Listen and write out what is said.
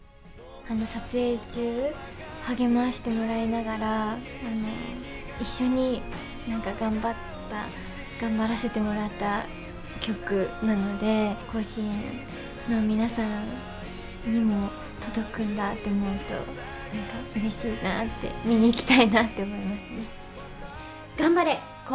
撮影中、励ましてもらいながら一緒に頑張らせてもらった曲なので甲子園の皆さんにも届くんだって思うとうれしいなって見に行きたいなって思いますね。